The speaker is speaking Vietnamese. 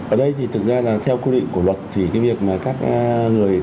ở đây thì thực ra là theo quy định của luật thì cái việc mà các người